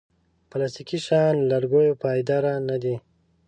پلاستيکي شیان له لرګیو پایداره نه دي.